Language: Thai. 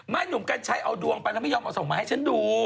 หนุ่มกัญชัยเอาดวงไปแล้วไม่ยอมเอาส่งมาให้ฉันดู